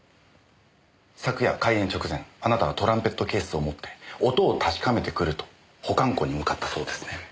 昨夜開演直前あなたはトランペットケースを持って「音を確かめてくる」と保管庫に向かったそうですね。